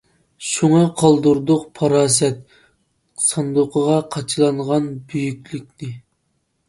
شۇڭا قالدۇردۇق پاراسەت ساندۇقىغا قاچىلانغان بۈيۈكلۈكنى.